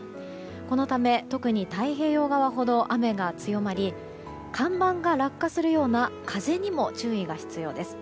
このため、特に太平洋側ほど雨が強まり看板が落下するような風にも注意が必要です。